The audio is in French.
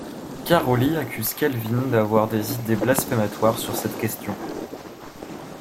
Caroli accuse Calvin d'avoir des idées blasphématoires sur cette question.